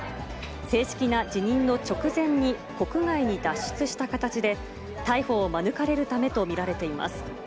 正式な辞任の直前に、国外に脱出した形で、逮捕を免れるためと見られています。